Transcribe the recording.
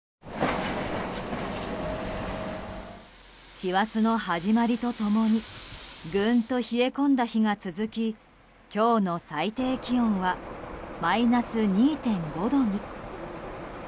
師走の始まりと共にぐんと冷え込んだ日が続き今日の最低気温はマイナス２．５度に。